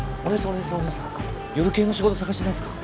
おねえさん夜系の仕事探してないですか？